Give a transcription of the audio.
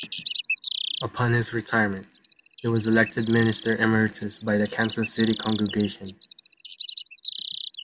Upon his retirement, he was elected Minister Emeritus by the Kansas City congregation.